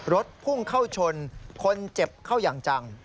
รถพุ่งเข้าชนคนเจ็บเข้าอย่างจัง